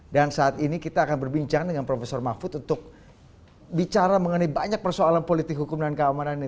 dan saat ini kita akan berbincang dengan prof mahfud untuk bicara mengenai banyak persoalan politik hukum dan keamanan ini